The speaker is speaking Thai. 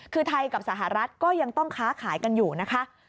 คือไทยกับสหรัฐก็ยังต้องค้าขายกันอยู่นะคะ